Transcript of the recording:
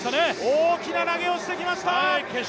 大きな投げをしてきました。